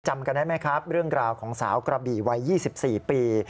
จำกันได้ไหมครับเรื่องราวของสาวกระบี่วัย๒๔ปี